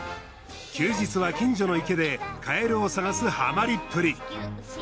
休日は近所の池でカエルを探すハマりっぷり。